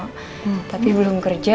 hmm tapi belum kerja